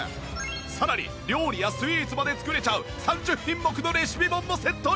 さらに料理やスイーツまで作れちゃう３０品目のレシピ本もセットに！